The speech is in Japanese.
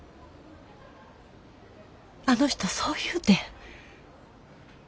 あの人そう言うてん。